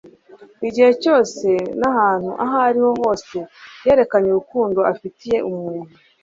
Igihe cyose n'ahantu aho ariho hose yerekanye urukundo afitiye umuntu,